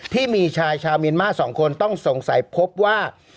ที่มีชายชาวเมียนมาร์๒คนต้องสงสัยพบว่า